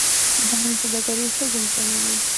بهرنۍ سوداګرۍ حجم کمیږي.